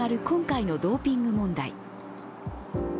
今回のドーピング問題。